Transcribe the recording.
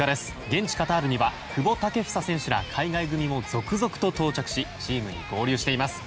現地カタールには久保建英選手ら、海外組も続々と到着しチームに合流しています。